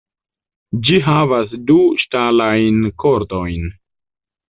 Ĝi havas du ŝtalajn kordojn.